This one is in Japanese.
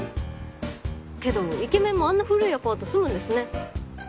けどイケメンもあんな古いアパート住むんですね。